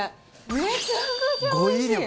めちゃくちゃおいしい！